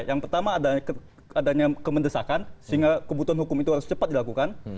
yang pertama adanya kemendesakan sehingga kebutuhan hukum itu harus cepat dilakukan